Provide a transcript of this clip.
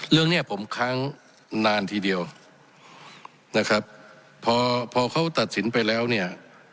เรื่องเนี้ยผมค้างนานทีเดียวนะครับพอพอเขาตัดสินไปแล้วเนี่ย